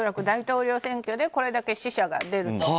大統領選挙でこれだけ死者が出ると。